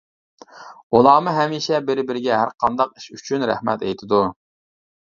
ئۇلارمۇ ھەمىشە بىر-بىرىگە ھەر قانداق ئىش ئۈچۈن رەھمەت ئېيتىدۇ.